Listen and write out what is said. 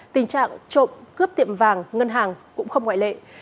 tình trạng trộm cướp tiệm vàng ngân hàng cũng không ngoại lệ